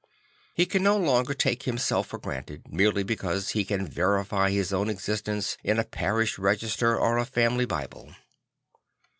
He can no longer take himself for granted, merely because he can verify his own existence in a parish register or a fanlily Bible.